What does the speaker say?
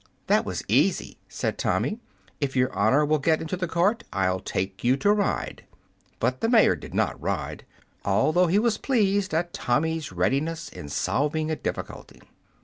"That was easy," said Tommy. "If your honor will get into the cart I'll take you to ride." But the mayor did not ride, although he was pleased at Tommy's readiness in solving a difficulty.